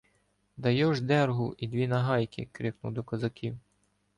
— Дайош дергу і дві нагайки! — крикнув до козаків.